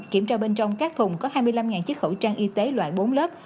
kiểm tra bên trong các thùng có hai mươi năm chiếc khẩu trang y tế loại bốn lớp